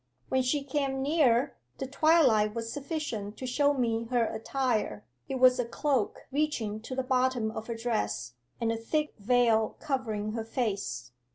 'When she came near, the twilight was sufficient to show me her attire: it was a cloak reaching to the bottom of her dress, and a thick veil covering her face.